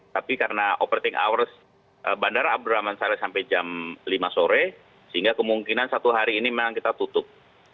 tapi karena operating hours bandara abdurrahman saleh sampai jam lima sore sehingga kemungkinan satu hari ini memang kita tutup